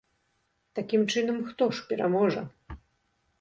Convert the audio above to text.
Такім чынам, хто ж пераможа?